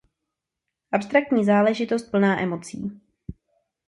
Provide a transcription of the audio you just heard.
Abstraktní záležitost plná emocí.